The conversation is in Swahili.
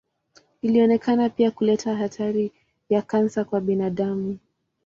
Ilionekana pia kuleta hatari ya kansa kwa binadamu.